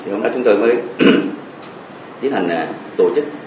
hôm đó chúng tôi mới